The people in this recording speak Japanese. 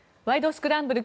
スクランブル」